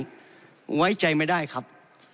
ผมวัยใจไม่ได้ครับ